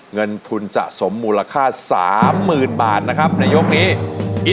เงินทุนสะสมมูลค่า๓๐๐๐บาทนะครับในยกนี้